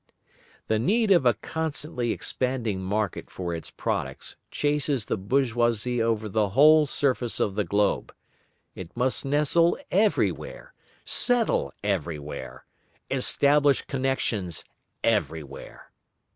The need of a constantly expanding market for its products chases the bourgeoisie over the whole surface of the globe. It must nestle everywhere, settle everywhere, establish connexions everywhere.